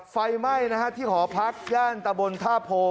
ไฟไหม้นะฮะที่หอพักย่านตะบนท่าโพ